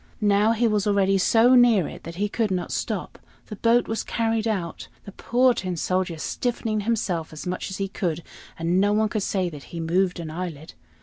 Now he was already so near it that he could not stop. The boat was carried out, the poor Tin Soldier stiffening himself as much as he could, and no one could say that he moved an eyelid.